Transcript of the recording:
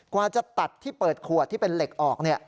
กว่าจะตัดที่เปิดขวดที่เป็นเหล็กออก